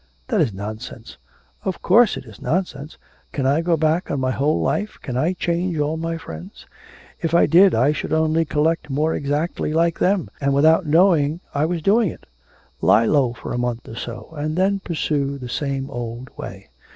'That is nonsense.' 'Of course it is nonsense. Can I go back on my whole life? can I change all my friends? If I did I should only collect more exactly like them, and without knowing I was doing it. Lie low for a month or so, and then pursue the same old way.